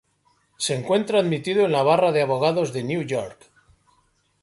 Se encuentra admitido en la barra de abogados de New York.